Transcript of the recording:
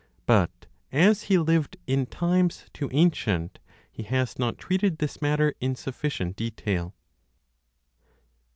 But, as he lived in times too ancient, he has not treated this matter in sufficient detail.